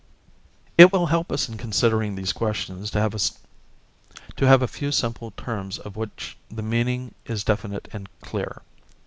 It will help us in considering these questions to have a few simple terms of which the meaning is definite and clear.